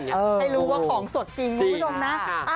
ให้รู้ว่าของสดจริงคุณผู้ชมนะ